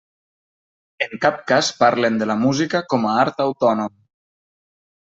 En cap cas parlen de la música com a art autònom.